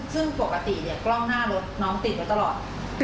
ซึ่งปกติเนี่ยกล้องหน้ารถน้องติดไว้ตลอด